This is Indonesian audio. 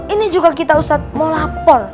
ini juga kita ustadz mau lapor